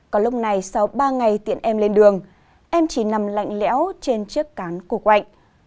còn lúc này sau ba ngày tiện em lên đường em chỉ nằm lạnh lẽo trên chiếc cán của quạnh